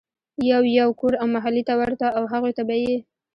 يو يو کور او محلې ته ورتلو او هغوی ته به ئي